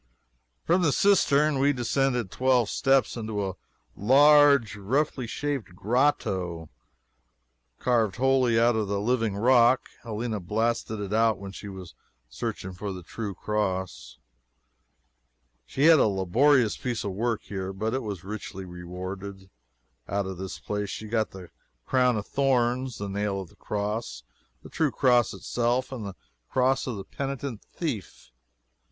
From the cistern we descended twelve steps into a large roughly shaped grotto, carved wholly out of the living rock. Helena blasted it out when she was searching for the true Cross. She had a laborious piece of work, here, but it was richly rewarded. Out of this place she got the crown of thorns, the nails of the cross, the true Cross itself, and the cross of the penitent thief.